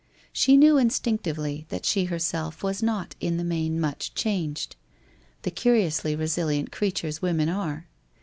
She knew instinctively that she herself was not, in the main, much changed. The curiously resilient creatures women are